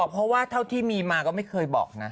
เพราะว่าเท่าที่มีมาก็ไม่เคยบอกนะ